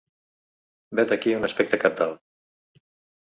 Vet aquí un aspecte cabdal.